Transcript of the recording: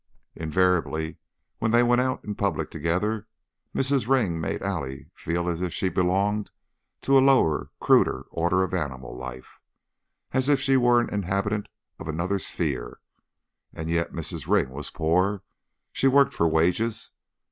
Invariably when they went out in public together Mrs. Ring made Allie feel as if she belonged to a lower, cruder order of animal life; as if she were an inhabitant of another sphere. And yet, Mrs. Ring was poor; she worked for wages!